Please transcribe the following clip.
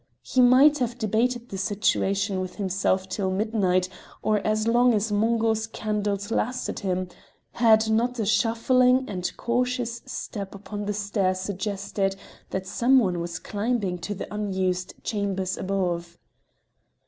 He might have debated the situation with himself till midnight, or as long as Mungo's candles lasted him, had not a shuffling and cautious step upon the stair suggested that some one was climbing to the unused chambers above.